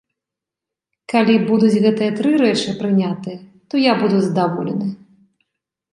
Калі будуць гэтыя тры рэчы прынятыя, то я буду задаволены.